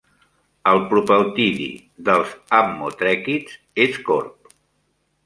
El propeltidi dels ammotrèquids és corb.